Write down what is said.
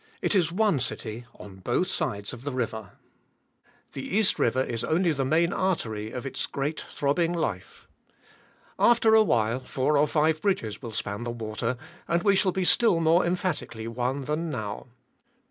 It is one city on both sides of the river. The East River is only the main artery of its great throbbing life. After a while four or five bridges will span the water, and we shall be still more emphatically one than now.